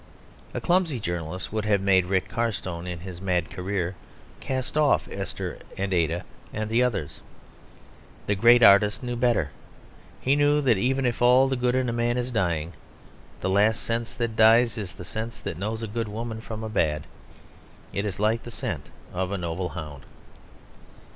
A clumsy journalist would have made Rick Carstone in his mad career cast off Esther and Ada and the others. The great artist knew better. He knew that even if all the good in a man is dying, the last sense that dies is the sense that knows a good woman from a bad; it is like the scent of a noble hound.